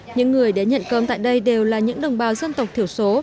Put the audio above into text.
những người đến nhận cơm tại đây đều là những đồng bào dân tộc thiểu số